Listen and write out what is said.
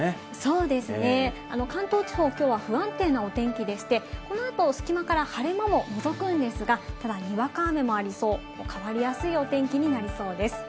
そうですね、関東地方、きょうは不安定なお天気でして、このあと隙間から晴れ間ものぞくんですが、ただ、にわか雨もありそう、変わりやすいお天気になりそうです。